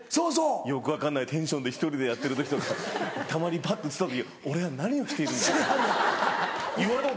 よく分かんないテンションで１人でやってる時とかたまにパッと映った時「俺は何をしているんだ？」。